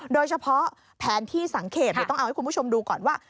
โดยเฉพาะแผนที่สังเกตต้องเอาให้คุณผู้ชมดูก่อนว่า